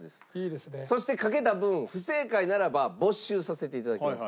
そしてかけた分不正解ならば没収させて頂きます。